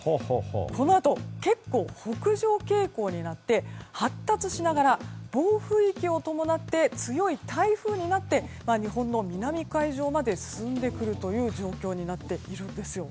このあと、結構北上傾向になって発達しながら暴風域を伴って強い台風になって日本の南海上まで進んでくるという状況になっているんです。